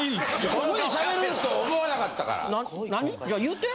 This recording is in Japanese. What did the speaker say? ここで喋ると思わなかったから。